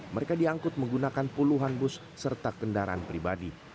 mereka diangkut menggunakan puluhan bus serta kendaraan pribadi